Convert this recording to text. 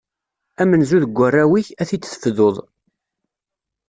Amenzu deg warraw-ik, ad t-id-tefduḍ.